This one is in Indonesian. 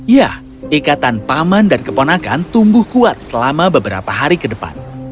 ya ikatan paman dan keponakan tumbuh kuat selama beberapa hari ke depan